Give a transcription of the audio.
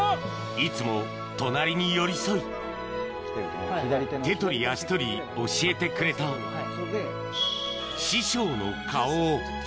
いつも隣に寄り添い手取り足取り教えてくれたあっ。